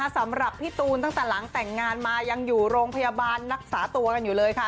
สำหรับพี่ตูนตั้งแต่หลังแต่งงานมายังอยู่โรงพยาบาลรักษาตัวกันอยู่เลยค่ะ